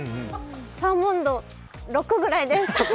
サーモン度、６ぐらいです。